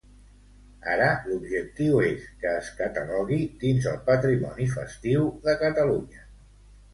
Ara l'objectiu és que es catalogui dins el patrimoni festiu de Catalunya.